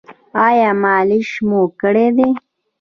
ایا مالش مو کړی دی؟